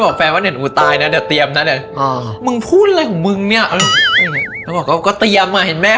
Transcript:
เมื่อวันนี้หนูบอกแฟนว่าเดี๋ยวหนูตายนะเดี๋ยวเตรียมนะเว้ย